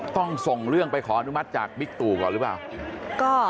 ส่งเรื่องไปขออนุมัติจากบิ๊กตู่ก่อนหรือเปล่า